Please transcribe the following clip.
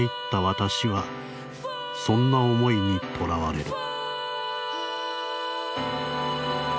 私はそんな思いにとらわれる」。